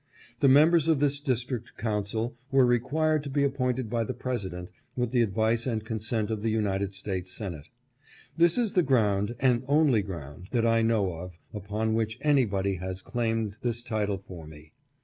The members of this district council were required to be appointed by the President, with the advice and consent of the United States Senate. This is the ground, and only ground that I know of, upon which anybody has claimed this title for me.